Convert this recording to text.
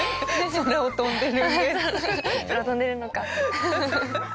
空飛んでるのか。